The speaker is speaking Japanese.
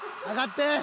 ［上がって］